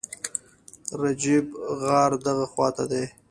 رجیب، غار دغه خواته دی.